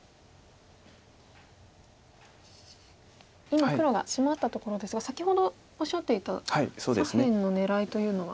今黒がシマったところですが先ほどおっしゃっていた左辺の狙いというのは？